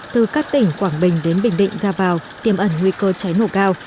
từ các tỉnh quảng bình đến bình định ra vào tiêm ẩn nguy cơ cháy nổ cao